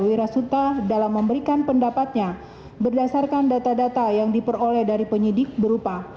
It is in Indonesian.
wirasuta dalam memberikan pendapatnya berdasarkan data data yang diperoleh dari penyidik berupa